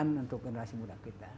bukan untuk generasi muda kita